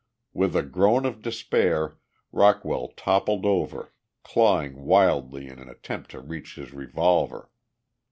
With a groan of despair Rockwell toppled over, clawing wildly in an attempt to reach his revolver.